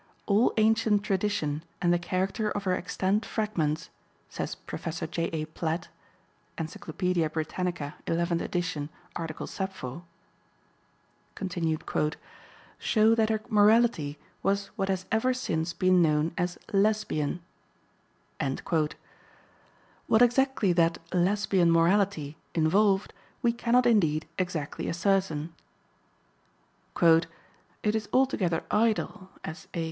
"All ancient tradition and the character of her extant fragments," says Prof. J.A. Platt (Encyclopedia Britannica, 11th. ed., art. "Sappho"), "show that her morality was what has ever since been known as 'Lesbian.'" What exactly that "Lesbian morality" involved, we cannot indeed exactly ascertain. "It is altogether idle," as A.